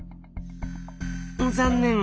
残念。